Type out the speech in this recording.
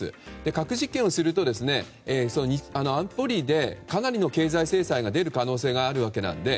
核実験をすると安保理でかなりの経済制裁が出る可能性があるわけなので